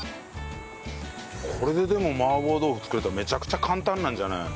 これででも麻婆豆腐作れたらめちゃくちゃ簡単なんじゃないの。